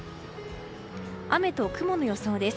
雨と雲の予想です。